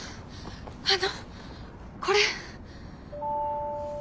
あのこれ。